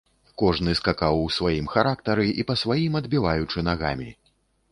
Кожны скакаў у сваім характары і па сваім адбіваючы нагамі.